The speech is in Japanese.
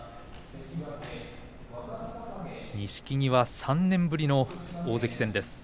錦木は３年ぶりの大関戦です。